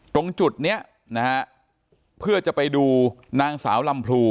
ตรงจุดเนี้ยนะฮะเพื่อจะไปดูนางสาวลำพลู